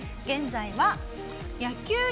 現在は野球